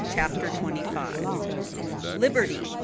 CHAPTER TWENTY FIFTH. "Liberty!